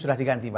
sudah diganti ya